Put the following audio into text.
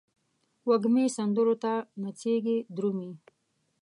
وږمې سندرو ته نڅیږې درومې